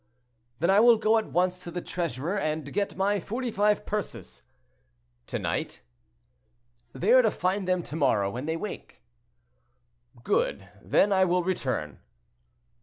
"Then I will go at once to the treasurer, and get my forty five purses." "To night?" "They are to find them to morrow, when they wake." "Good; then I will return."